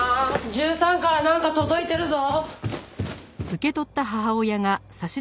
１３からなんか届いてるぞ！